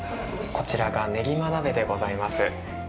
こちらが、ねぎま鍋でございます。